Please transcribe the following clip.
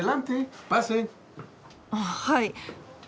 あっはい。